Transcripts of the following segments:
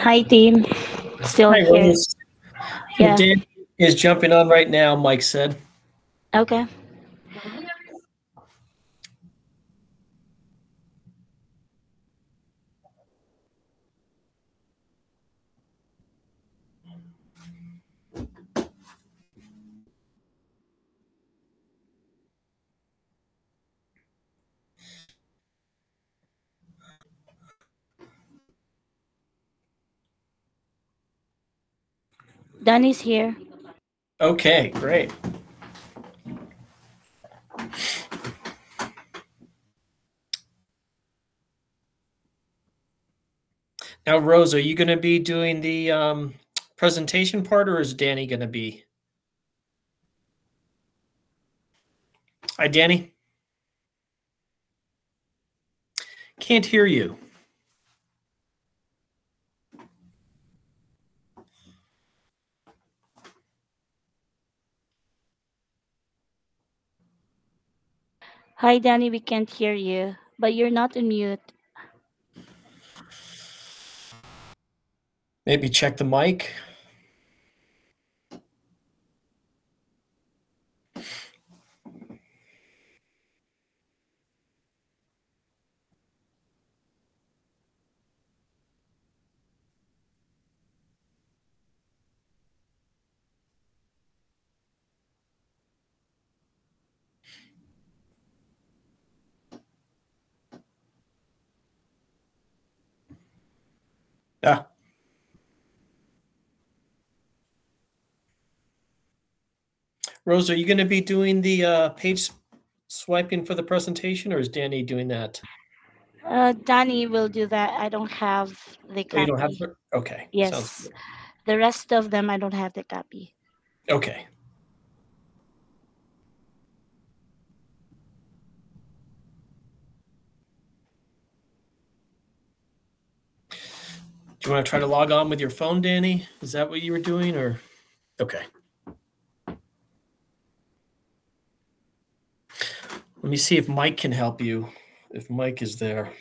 Hi, Tim. Still here. Hi, Rose. Yeah. Danny is jumping on right now, Mike said. Okay. Danny's here. Okay, great. Now, Rose, are you going to be doing the presentation part, or is Danny going to be? Hi, Danny. Can't hear you. Hi, Danny. We can't hear you, but you're not on mute. Maybe check the mic. Rose, are you going to be doing the page swiping for the presentation, or is Danny doing that? Danny will do that. I don't have the copy. Oh, you don't have the. Okay. Yes. So- The rest of them, I don't have the copy. Okay. Do you want to try to log on with your phone, Danny? Is that what you were doing or? Okay. Let me see if Mike can help you, if Mike is there.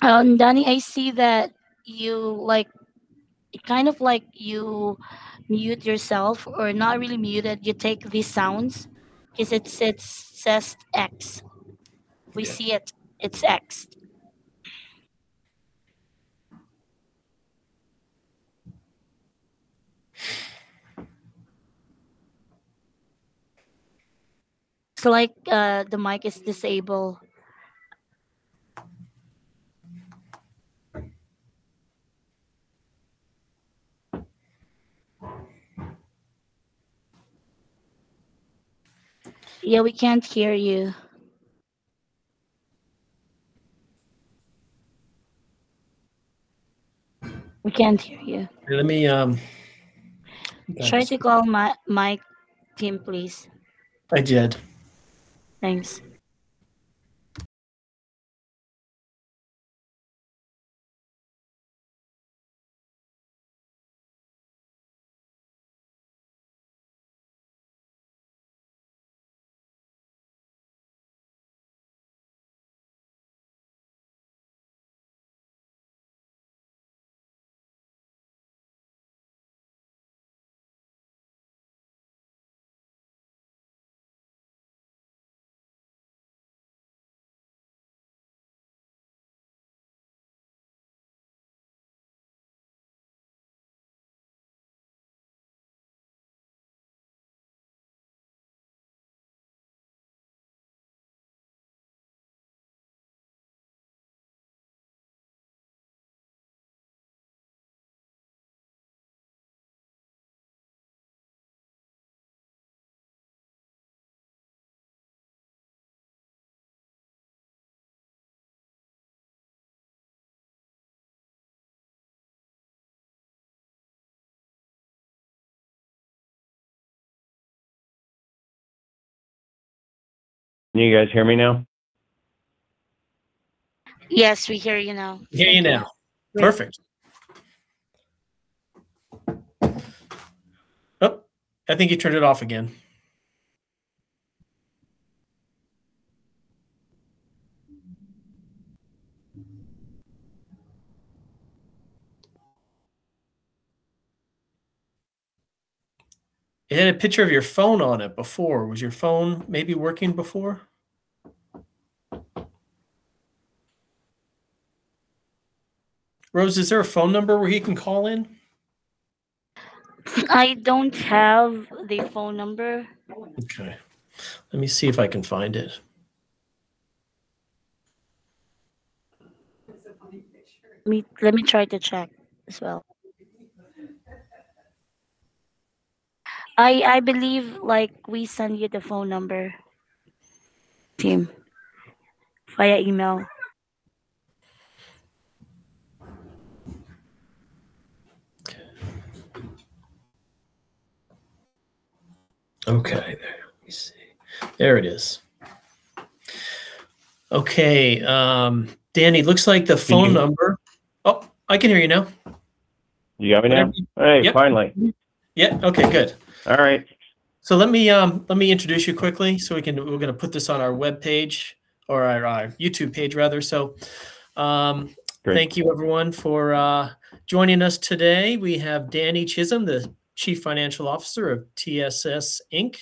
Danny, I see that you mute yourself or not really muted, you take these sounds, because it says X. Yeah. We see it. It's X. The mic is disabled. Yeah, we can't hear you. We can't hear you. Let me Try to call Mike, Tim, please. I did. Thanks. Can you guys hear me now? Yes, we hear you now. We hear you now. Perfect. Oh, I think you turned it off again. It had a picture of your phone on it before. Was your phone maybe working before? Rose, is there a phone number where he can call in? I don't have the phone number. Okay. Let me see if I can find it. Let me try to check as well. I believe we sent you the phone number, Tim, via email. Okay. There, let me see. There it is. Okay. Danny, looks like the phone number. Can you hear me? Oh, I can hear you now. You have me now? Yeah. Hey, finally. Yeah. Okay, good. All right. Let me introduce you quickly. We're going to put this on our webpage, or our YouTube page, rather. Great Thank you everyone for joining us today. We have Danny Chism, the Chief Financial Officer of TSS, Inc.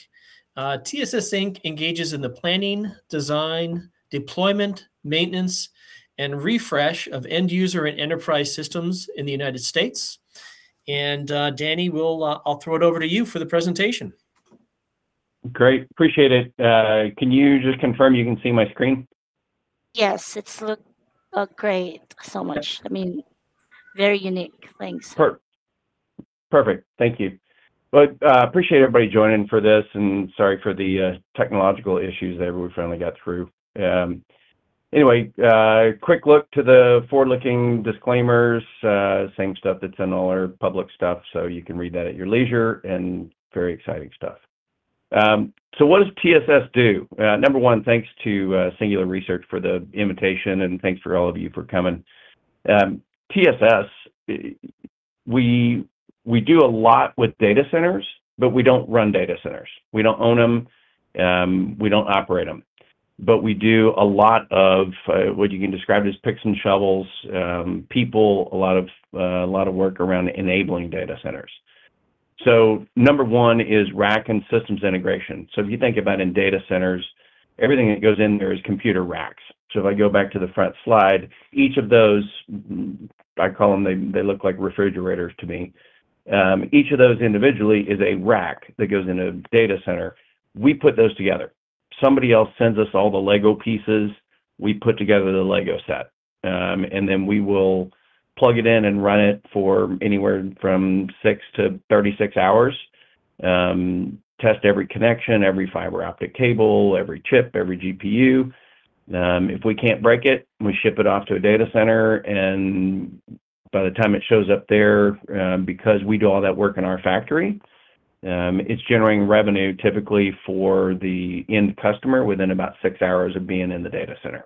TSS, Inc. engages in the planning, design, deployment, maintenance, and refresh of end user and enterprise systems in the U.S. Danny, I'll throw it over to you for the presentation. Great. Appreciate it. Can you just confirm you can see my screen? Yes. It looks great. So much. Very unique. Thanks. Perfect. Thank you. Appreciate everybody joining for this, sorry for the technological issues there, we finally got through. A quick look to the forward-looking disclaimers. Same stuff that's in all our public stuff, you can read that at your leisure, very exciting stuff. What does TSS do? Number one, thanks to Singular Research for the invitation, thanks for all of you for coming. TSS, we do a lot with data centers, we don't run data centers. We don't own them, we don't operate them. We do a lot of what you can describe as picks and shovels, people, a lot of work around enabling data centers. Number one is rack and systems integration. If you think about in data centers, everything that goes in there is computer racks. If I go back to the front slide, each of those, they look like refrigerators to me. Each of those individually is a rack that goes in a data center. We put those together. Somebody else sends us all the Lego pieces, we put together the Lego set. Then we will plug it in and run it for anywhere from six to 36 hours. Test every connection, every fiber optic cable, every chip, every GPU. If we can't break it, we ship it off to a data center, and by the time it shows up there, because we do all that work in our factory, it's generating revenue typically for the end customer within about six hours of being in the data center.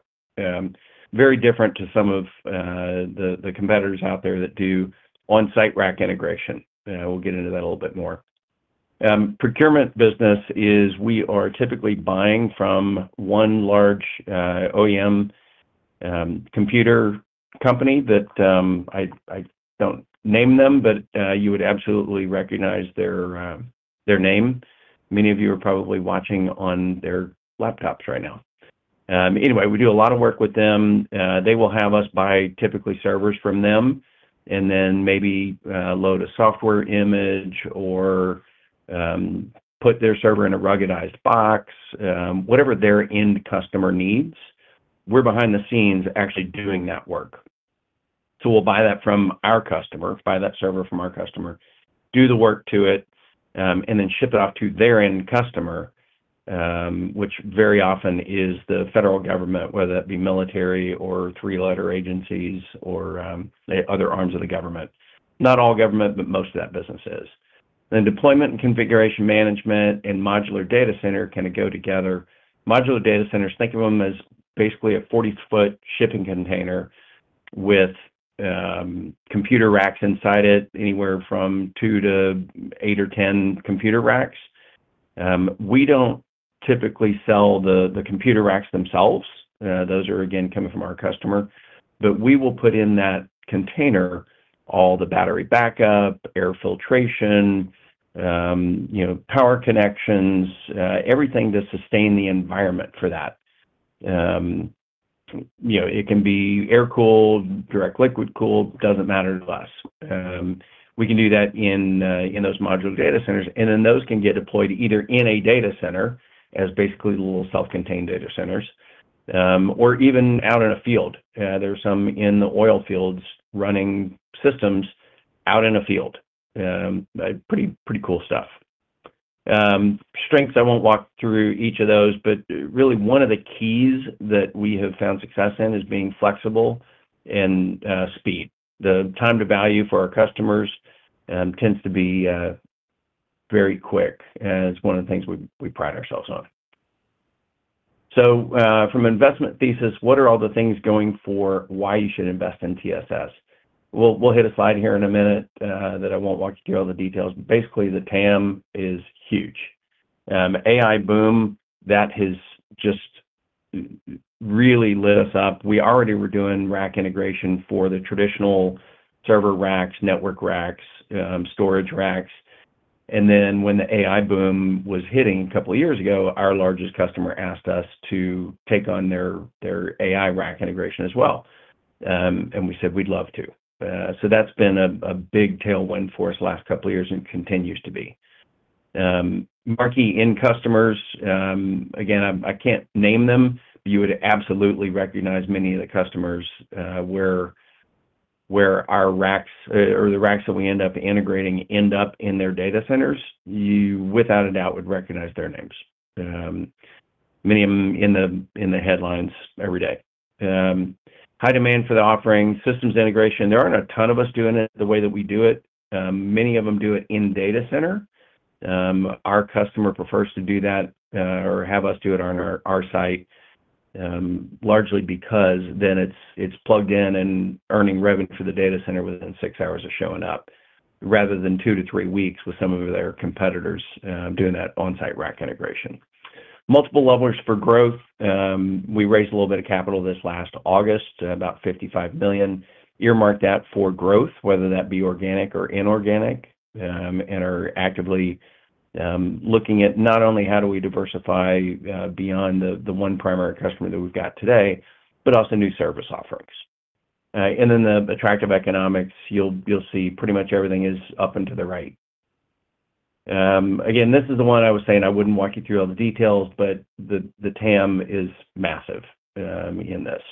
Very different to some of the competitors out there that do on-site rack integration. We'll get into that a little bit more. Procurement business is we are typically buying from one large OEM computer company that, I don't name them, you would absolutely recognize their name. Many of you are probably watching on their laptops right now. We do a lot of work with them. They will have us buy typically servers from them, then maybe load a software image or put their server in a ruggedized box. Whatever their end customer needs, we're behind the scenes actually doing that work. We'll buy that from our customer, buy that server from our customer, do the work to it, then ship it off to their end customer, which very often is the federal government, whether that be military or three-letter agencies, or other arms of the government. Not all government, most of that business is. Deployment and configuration management and modular data center kind of go together. Modular data centers, think of them as basically a 40-foot shipping container with computer racks inside it, anywhere from two to eight or 10 computer racks. We don't typically sell the computer racks themselves. Those are, again, coming from our customer. We will put in that container all the battery backup, air filtration, power connections, everything to sustain the environment for that. It can be air-cooled, direct liquid-cooled, doesn't matter to us. We can do that in those modular data centers. Those can get deployed either in a data center, as basically little self-contained data centers, or even out in a field. There's some in the oil fields running systems out in a field. Pretty cool stuff. Strengths, I won't walk through each of those, but really one of the keys that we have found success in is being flexible and speed. The time to value for our customers tends to be very quick. It's one of the things we pride ourselves on. From investment thesis, what are all the things going for why you should invest in TSS? We'll hit a slide here in a minute that I won't walk you through all the details, but basically the TAM is huge. AI boom, that has just really lit us up. We already were doing rack integration for the traditional server racks, network racks, storage racks, and then when the AI boom was hitting a couple of years ago, our largest customer asked us to take on their AI rack integration as well, and we said we'd love to. That's been a big tailwind for us last couple of years, and continues to be. Marquee end customers. Again, I can't name them, but you would absolutely recognize many of the customers where our racks that we end up integrating end up in their data centers. You, without a doubt, would recognize their names. Many of them in the headlines every day. High demand for the offering. Systems integration, there aren't a ton of us doing it the way that we do it. Many of them do it in data center. Our customer prefers to do that, or have us do it on our site, largely because then it's plugged in and earning revenue for the data center within six hours of showing up, rather than two to three weeks with some of their competitors doing that on-site rack integration. Multiple levers for growth. We raised a little bit of capital this last August, about $55 million, earmarked that for growth, whether that be organic or inorganic, and are actively looking at not only how do we diversify beyond the one primary customer that we've got today, but also new service offerings. The attractive economics, you'll see pretty much everything is up and to the right. Again, this is the one I was saying I wouldn't walk you through all the details, but the TAM is massive in this.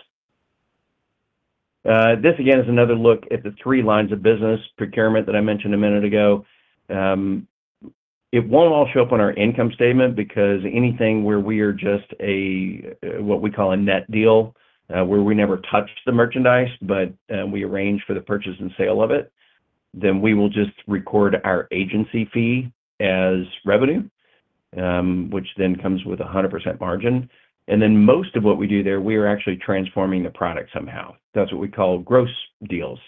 This again is another look at the three lines of business procurement that I mentioned a minute ago. It won't all show up on our income statement because anything where we are just a, what we call a net deal, where we never touch the merchandise, but we arrange for the purchase and sale of it, then we will just record our agency fee as revenue, which then comes with 100% margin. Most of what we do there, we are actually transforming the product somehow. That's what we call gross deals.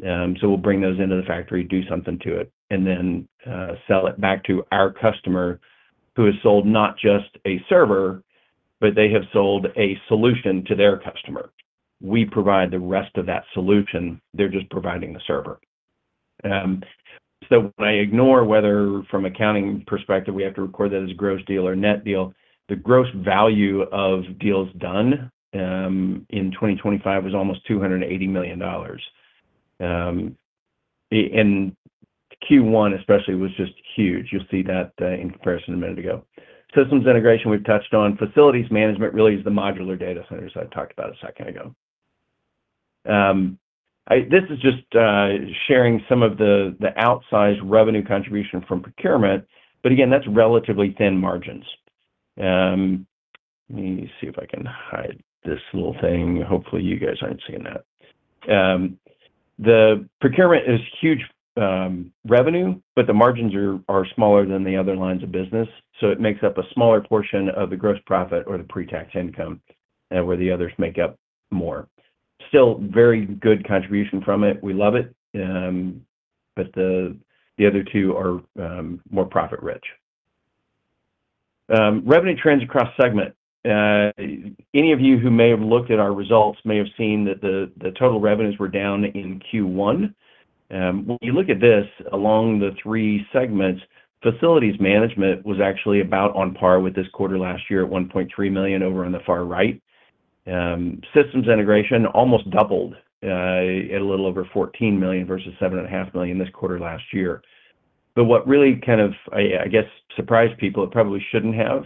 We'll bring those into the factory, do something to it, and then sell it back to our customer, who has sold not just a server, but they have sold a solution to their customer. We provide the rest of that solution. They're just providing the server. When I ignore whether from an accounting perspective, we have to record that as gross deal or net deal, the gross value of deals done, in 2025 was almost $280 million. In Q1 especially was just huge. You'll see that in comparison a minute ago. Systems Integration we've touched on. Facilities Management really is the modular data centers I talked about a second ago. This is just sharing some of the outsized revenue contribution from Procurement. Again, that's relatively thin margins. Let me see if I can hide this little thing. Hopefully, you guys aren't seeing that. The procurement is huge revenue, but the margins are smaller than the other lines of business. It makes up a smaller portion of the gross profit or the pre-tax income, where the others make up more. Still very good contribution from it. We love it. The other two are more profit rich. Revenue trends across segment. Any of you who may have looked at our results may have seen that the total revenues were down in Q1. When you look at this along the three segments, Facilities Management was actually about on par with this quarter last year at $1.3 million over on the far right. Systems Integration almost doubled, at a little over $14 million versus $7.5 million this quarter last year. What really kind of, I guess, surprised people, it probably shouldn't have,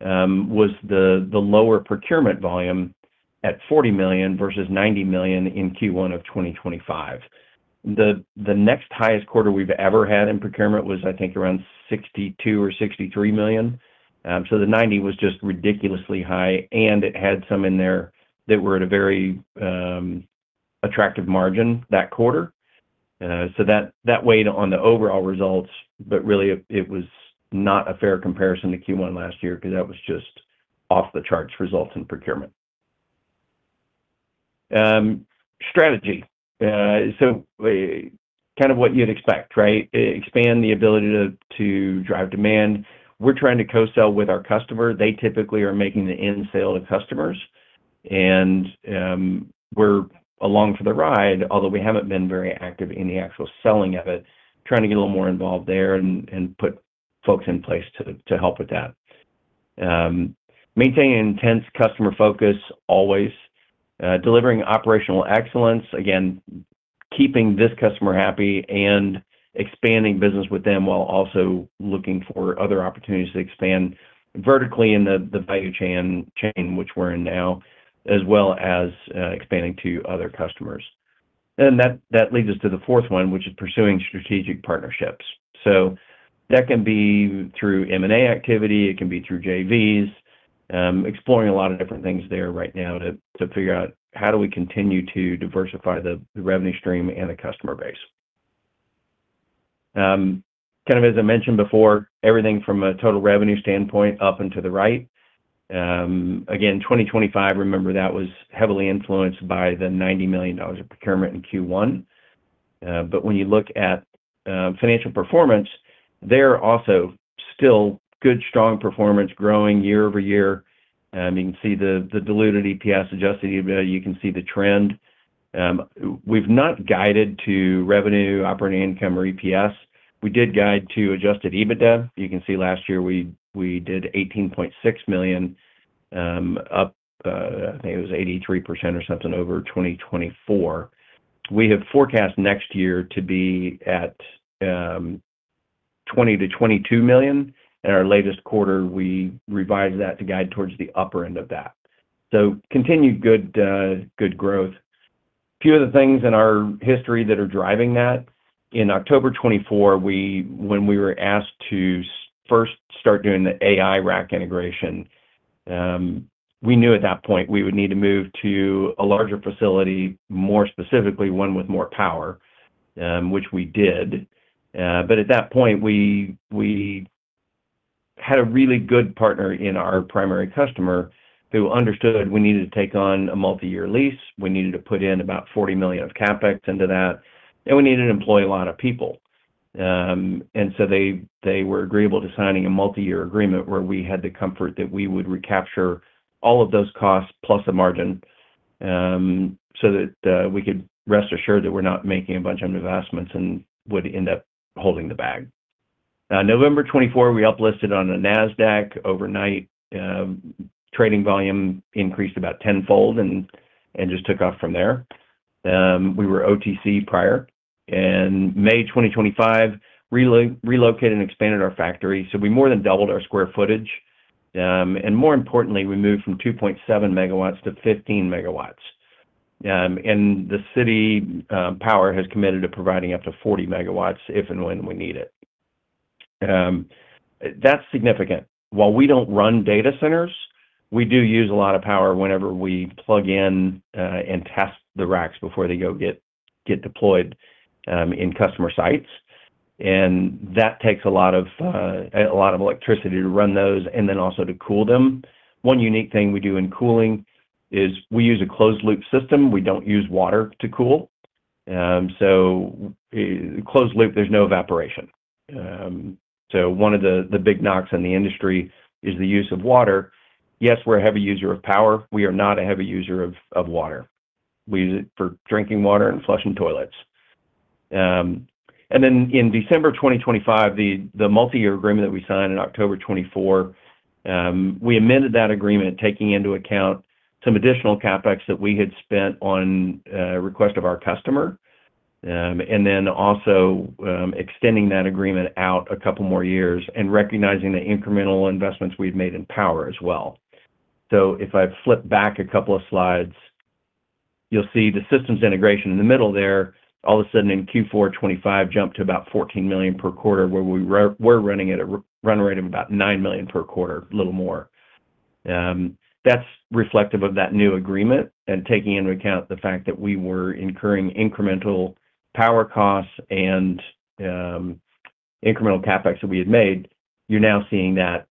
was the lower Procurement volume at $40 million versus $90 million in Q1 of 2025. The next highest quarter we've ever had in Procurement was, I think, around $62 million or $63 million. The $90 million was just ridiculously high, and it had some in there that were at a very attractive margin that quarter. That weighed on the overall results, but really it was not a fair comparison to Q1 last year because that was just off-the-charts results in Procurement. Strategy. Kind of what you'd expect, right? Expand the ability to drive demand. We're trying to co-sell with our customer. They typically are making the end sale to customers, and we're along for the ride, although we haven't been very active in the actual selling of it, trying to get a little more involved there and put folks in place to help with that. Maintain an intense customer focus, always. Delivering operational excellence, again, keeping this customer happy and expanding business with them while also looking for other opportunities to expand vertically in the value chain, which we're in now, as well as expanding to other customers. That leads us to the fourth one, which is pursuing strategic partnerships. That can be through M&A activity, it can be through JVs, exploring a lot of different things there right now to figure out how do we continue to diversify the revenue stream and the customer base. Kind of as I mentioned before, everything from a total revenue standpoint up and to the right. Again, 2025, remember that was heavily influenced by the $90 million of Procurement in Q1. When you look at financial performance, they're also still good, strong performance, growing year-over-year. You can see the diluted EPS, adjusted EBITDA, you can see the trend. We've not guided to revenue, operating income, or EPS. We did guide to adjusted EBITDA. You can see last year we did $18.6 million, up, I think it was 83% or something over 2024. We have forecast next year to be at $20 million-$22 million. In our latest quarter, we revised that to guide towards the upper end of that. Continued good growth. Few of the things in our history that are driving that, in October 2024, when we were asked to first start doing the AI rack integration, we knew at that point we would need to move to a larger facility, more specifically one with more power, which we did. At that point, we had a really good partner in our primary customer who understood we needed to take on a multi-year lease, we needed to put in about $40 million of CapEx into that, and we needed to employ a lot of people. And so, they were agreeable to signing a multi-year agreement where we had the comfort that we would recapture all of those costs plus a margin, so that we could rest assured that we're not making a bunch of investments and would end up holding the bag. November 2024, we up-listed on the NASDAQ. Overnight, trading volume increased about tenfold and just took off from there. We were OTC prior. In May 2025, relocated and expanded our factory, we more than doubled our square footage. More importantly, we moved from 2.7 MW-15 MW. The city power has committed to providing up to 40 MW if and when we need it. That's significant. While we don't run data centers, we do use a lot of power whenever we plug in and test the racks before they go get deployed in customer sites, and that takes a lot of electricity to run those and then also to cool them. One unique thing we do in cooling is we use a closed loop system. We don't use water to cool. Closed loop, there's no evaporation. One of the big knocks in the industry is the use of water. Yes, we're a heavy user of power. We are not a heavy user of water. We use it for drinking water and flushing toilets. In December 2025, the multi-year agreement that we signed in October 2024, we amended that agreement, taking into account some additional CapEx that we had spent on a request of our customer, and then also extending that agreement out a couple more years and recognizing the incremental investments we've made in power as well. Though if I flip back a couple of slides, you'll see the systems integration in the middle there, all of a sudden in Q4 2025 jumped to about $14 million per quarter, where we're running at a run rate of about $9 million per quarter, a little more. That's reflective of that new agreement and taking into account the fact that we were incurring incremental power costs and incremental CapEx that we had made. You're now seeing that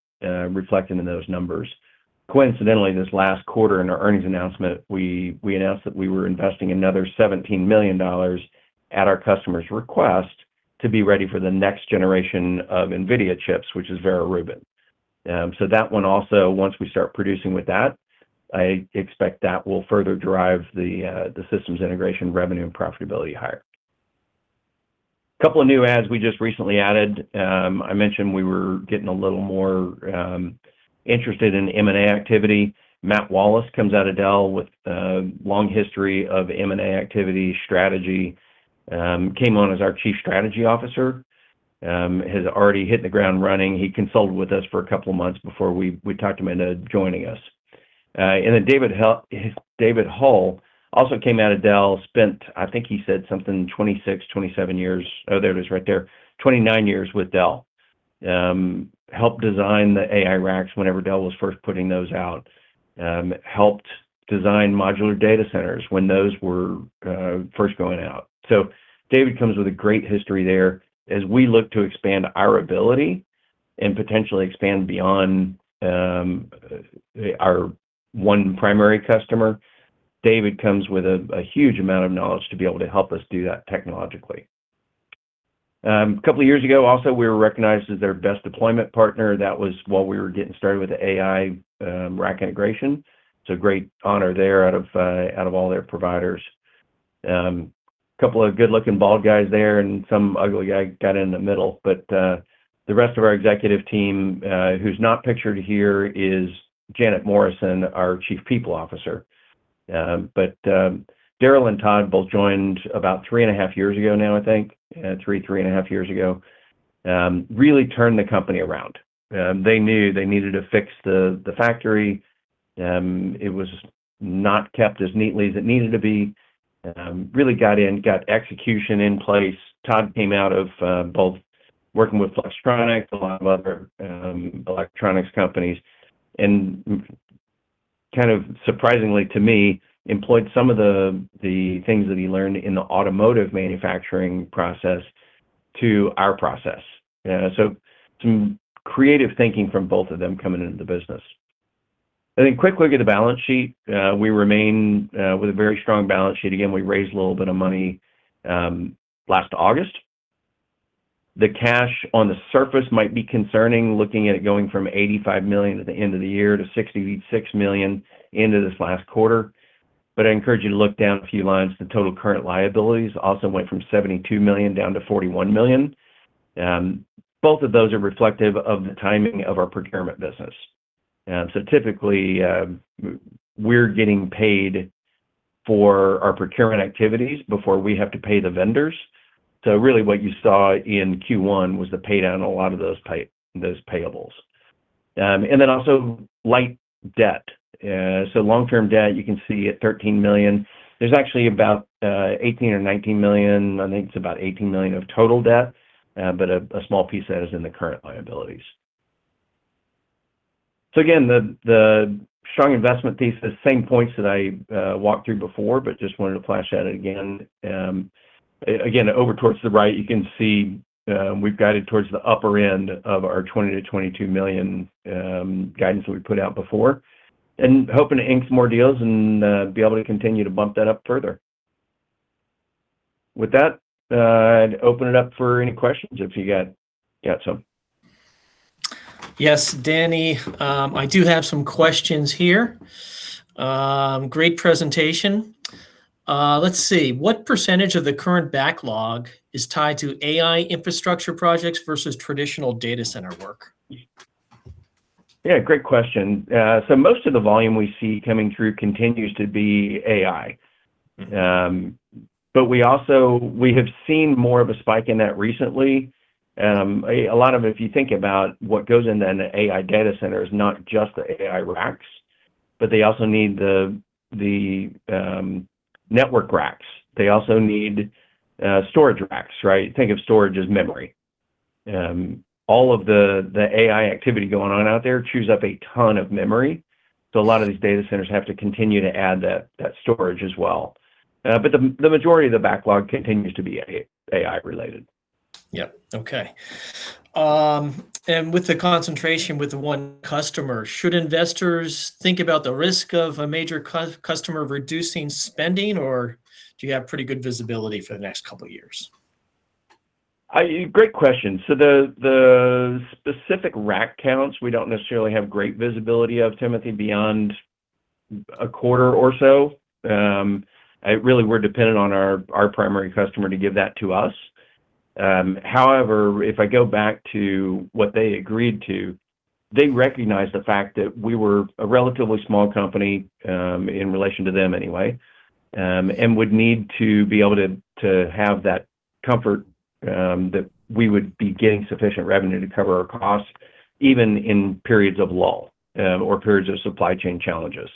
reflected in those numbers. Coincidentally, this last quarter in our earnings announcement, we announced that we were investing another $17 million at our customer's request to be ready for the next generation of Nvidia chips, which is Vera Rubin. That one also, once we start producing with that, I expect that will further drive the systems integration revenue and profitability higher. Couple of new adds we just recently added. I mentioned we were getting a little more interested in M&A activity. Matt Wallace comes out of Dell with a long history of M&A activity strategy. Came on as our Chief Strategy Officer. Has already hit the ground running. He consulted with us for a couple of months before we talked him into joining us. David Hull also came out of Dell, spent, I think he said something, 26, 27 years. Oh, there it is right there. 29 years with Dell. Helped design the AI racks whenever Dell was first putting those out. Helped design modular data centers when those were first going out. David comes with a great history there. As we look to expand our ability and potentially expand beyond our one primary customer, David comes with a huge amount of knowledge to be able to help us do that technologically. Couple of years ago also, we were recognized as their best deployment partner. That was while we were getting started with the AI rack integration. It's a great honor there out of all their providers. Couple of good-looking bald guys there and some ugly guy kind of in the middle, the rest of our executive team, who's not pictured here is Janet Morrison, our Chief People Officer. Daryl and Todd both joined about three and a half years ago now, I think. Three and a half years ago. Really turned the company around. They knew they needed to fix the factory. It was not kept as neatly as it needed to be. Really got in, got execution in place. Todd came out of both working with Flextronics, a lot of other electronics companies, and kind of surprisingly to me, employed some of the things that he learned in the automotive manufacturing process to our process. Some creative thinking from both of them coming into the business. Quick look at the balance sheet. We remain with a very strong balance sheet. Again, we raised a little bit of money last August. The cash on the surface might be concerning, looking at it going from $85 million at the end of the year to $66 million into this last quarter. I encourage you to look down a few lines. The total current liabilities also went from $72 million down to $41 million. Both of those are reflective of the timing of our procurement business. Typically, we're getting paid for our procurement activities before we have to pay the vendors. Really what you saw in Q1 was the paydown on a lot of those payables And then also light debt. Long-term debt, you can see at $13 million. There's actually about $18 million or $19 million, I think it's about $18 million of total debt. A small piece that is in the current liabilities. Again, the strong investment thesis, same points that I walked through before, but just wanted to flash at it again. Over towards the right, you can see we've guided towards the upper end of our $20 million-$22 million guidance that we put out before, hoping to ink some more deals and be able to continue to bump that up further. With that, I'd open it up for any questions if you got some. Yes, Danny. I do have some questions here. Great presentation. Let's see. What percentage of the current backlog is tied to AI infrastructure projects versus traditional data center work? Great question. Most of the volume we see coming through continues to be AI. We have seen more of a spike in that recently. A lot of it, if you think about what goes into an AI data center, is not just the AI racks, but they also need the network racks. They also need storage racks, right? Think of storage as memory. All of the AI activity going on out there chews up a ton of memory. A lot of these data centers have to continue to add that storage as well. The majority of the backlog continues to be AI related. Okay. With the concentration with the one customer, should investors think about the risk of a major customer reducing spending, or do you have pretty good visibility for the next couple of years? Great question. The specific rack counts, we don't necessarily have great visibility of, Timothy, beyond a quarter or so. Really, we're dependent on our primary customer to give that to us. However, if I go back to what they agreed to, they recognized the fact that we were a relatively small company, in relation to them anyway, and would need to be able to have that comfort that we would be getting sufficient revenue to cover our costs, even in periods of lull or periods of supply chain challenges.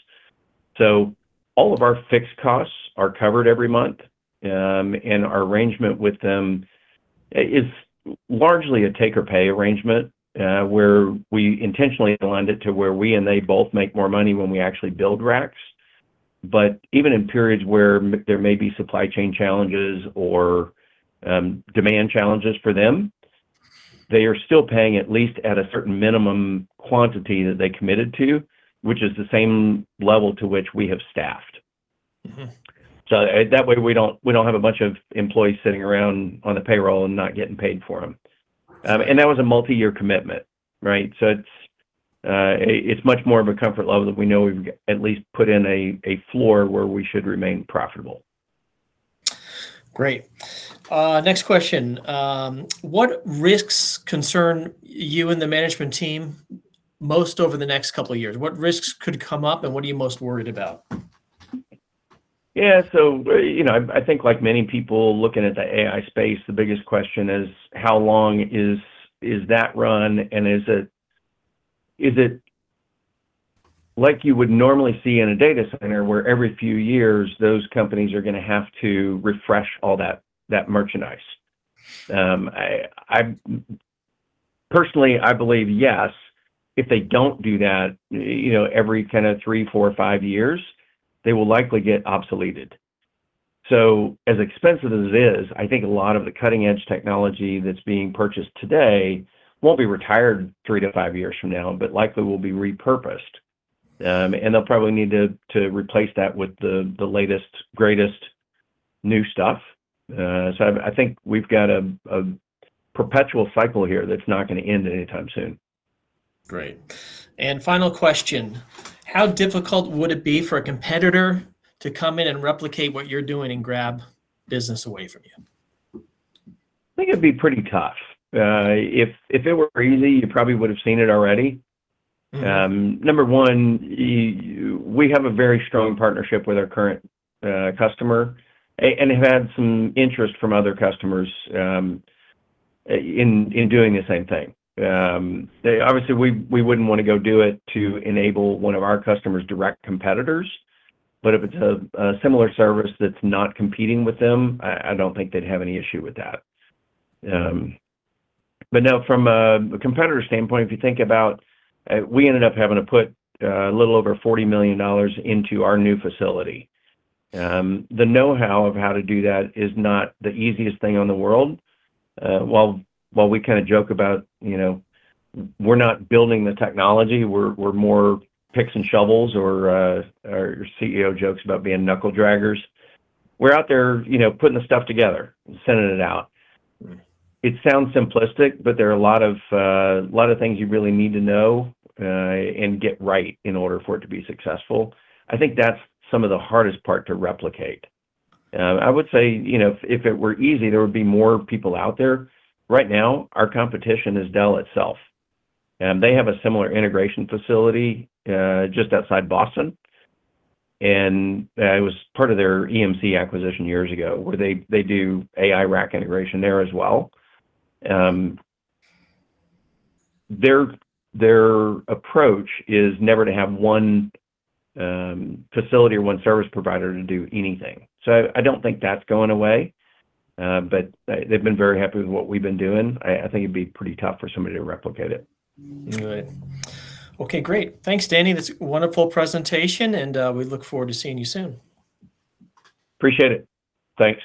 All of our fixed costs are covered every month, and our arrangement with them is largely a take or pay arrangement, where we intentionally aligned it to where we and they both make more money when we actually build racks. Even in periods where there may be supply chain challenges or demand challenges for them, they are still paying at least at a certain minimum quantity that they committed to, which is the same level to which we have staffed. That way, we don't have a bunch of employees sitting around on the payroll and not getting paid for them. That was a multiyear commitment, right? It's much more of a comfort level that we know we've at least put in a floor where we should remain profitable. Great. Next question. What risks concern you and the management team most over the next couple of years? What risks could come up, and what are you most worried about? Yeah. So, I think like many people looking at the AI space, the biggest question is: how long is that run, and is it like you would normally see in a data center, where every few years, those companies are going to have to refresh all that merchandise? Personally, I believe, yes, if they don't do that every kind of three, four, five years, they will likely get obsoleted. So as expensive as it is, I think a lot of the cutting-edge technology that's being purchased today won't be retired three to five years from now, but likely will be repurposed. And they'll probably need to replace that with the latest, greatest new stuff. So I think we've got a perpetual cycle here that's not going to end anytime soon. Great, and final question. How difficult would it be for a competitor to come in and replicate what you're doing and grab business away from you? I think it'd be pretty tough. If it were easy, you probably would've seen it already. Number one, we have a very strong partnership with our current customer, and have had some interest from other customers in doing the same thing. Obviously, we wouldn't want to go do it to enable one of our customer's direct competitors, but if it's a similar service that's not competing with them, I don't think they'd have any issue with that. But no, from a competitor standpoint, if you think about we ended up having to put a little over $40 million into our new facility. The knowhow of how to do that is not the easiest thing in the world. While we kind of joke about we're not building the technology, we're more picks and shovels, or our CEO jokes about being knuckle draggers. We're out there putting the stuff together and sending it out. It sounds simplistic, but there are a lot of things you really need to know and get right in order for it to be successful. I think that's some of the hardest part to replicate. I would say, if it were easy, there would be more people out there. Right now, our competition is Dell itself. They have a similar integration facility just outside Boston, and it was part of their EMC acquisition years ago, where they do AI rack integration there as well. Their approach is never to have one facility or one service provider to do anything. I don't think that's going away. They've been very happy with what we've been doing. I think it'd be pretty tough for somebody to replicate it. Right. Okay, great. Thanks, Danny. That's a wonderful presentation and we look forward to seeing you soon. Appreciate it. Thanks.